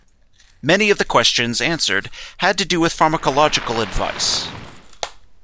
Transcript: Many of the questions answered had to do with pharmacological advice.